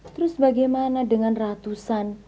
terus bagaimana dengan ratusan